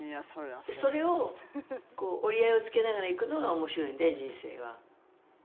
それを折り合いをつけながらいくのが面白いので人生は。